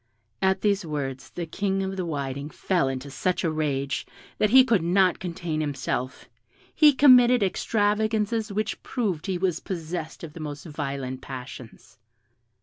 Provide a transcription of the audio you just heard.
At these words the King of the Whiting fell into such a rage, that he could not contain himself: he committed extravagances which proved he was possessed of the most violent passions.